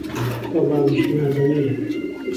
وهڵڵا گشت نازهنینه